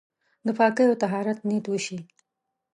د پاکۍ او طهارت نيت وشي.